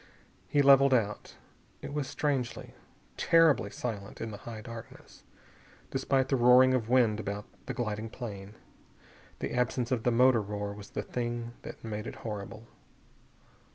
He leveled out. It was strangely, terribly silent in the high darkness, despite the roaring of wind about the gliding plane. The absence of the motor roar was the thing that made it horrible.